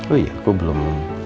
oh iya aku belum